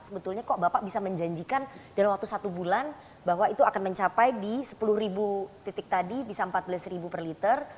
sebetulnya kok bapak bisa menjanjikan dalam waktu satu bulan bahwa itu akan mencapai di sepuluh titik tadi bisa empat belas per liter